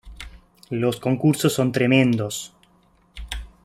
Los concursos son tremendos.